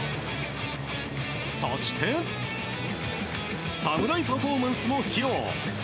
そして、侍パフォーマンスも披露。